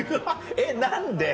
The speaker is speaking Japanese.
えっ何で？